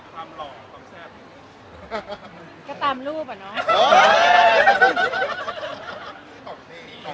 กับสำหรับความหล่อความแทบ